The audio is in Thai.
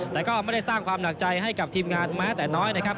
แต่ก็ไม่ได้สร้างความหนักใจให้กับทีมงานแม้แต่น้อยนะครับ